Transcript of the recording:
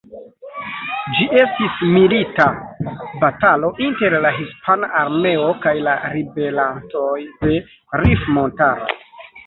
Ĝi estis milita batalo inter la hispana armeo kaj la ribelantoj de Rif-montaro.